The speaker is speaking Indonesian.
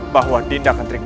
bahwa dinda akan terima hati